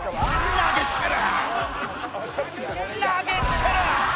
投げつける！